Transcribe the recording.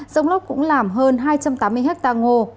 rông lốc cũng làm hơn hai trăm tám mươi hectare ngô